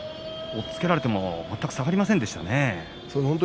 押っつけられても全く下がりませんでしたね。